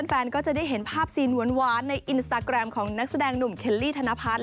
แฟนก็จะได้เห็นภาพซีนหวานในอินสตาแกรมของนักแสดงหนุ่มเคลลี่ธนพัฒน์